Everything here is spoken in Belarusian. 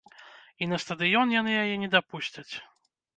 І на стадыён яны яе не дапусцяць.